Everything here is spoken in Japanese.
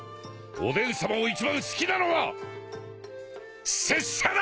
おでんさまを一番好きなのは拙者だ！